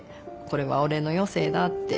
「これは俺の余生だ」って。